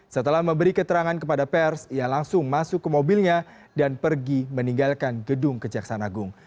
setelah memberi keterangan kepada pers ia langsung masuk ke mobilnya dan pergi meninggalkan gedung kejaksaan agung